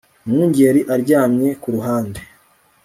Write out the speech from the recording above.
Umwungeri aryamye ku ruhande